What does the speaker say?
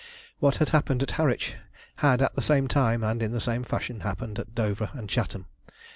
What had happened at Harwich had at the same time and in the same fashion happened at Dover and Chatham.